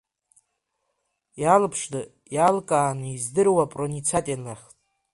Иалԥшны, иалкааны издыруа проницательнаӷ.